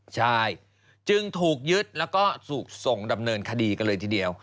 ใช่จึงถูกยึดแล้วก็ถูกส่งดำเนินคดีกันเลยทีเดียว